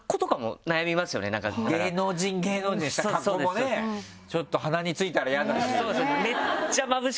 芸能人芸能人した格好もねちょっと鼻についたら嫌だし。